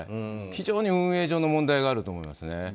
非常に運営上の問題があると思いますね。